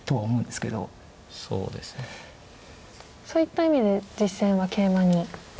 そういった意味で実戦はケイマに。